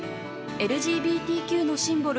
ＬＧＢＴＱのシンボル